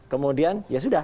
kemudian ya sudah